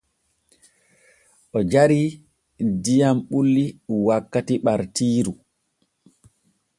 O jarii diyam bulli wakkati ɓartiiru.